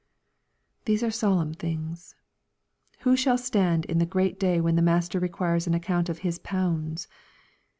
These are solemn things. Who shall stand in the great day when the Master requires an account of ^'His pounds